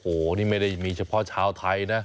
โอ้โหนี่ไม่ได้มีเฉพาะชาวไทยนะ